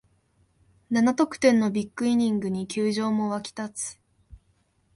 七得点のビッグイニングに球場も沸き立つ